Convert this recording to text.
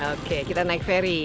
oke kita naik peri